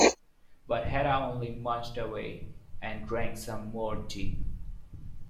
But Hatta only munched away, and drank some more tea.